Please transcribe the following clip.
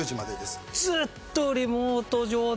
ずーっとリモート上で？